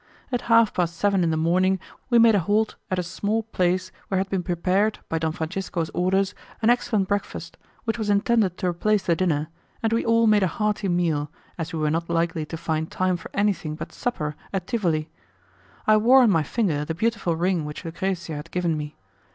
At half past seven in the morning we made a halt at a small place where had been prepared, by Don Franciso's orders, an excellent breakfast, which was intended to replace the dinner, and we all made a hearty meal, as we were not likely to find time for anything but supper at Tivoli. I wore on my finger the beautiful ring which Lucrezia had given me.